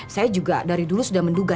saya juga dari dulu sudah menduga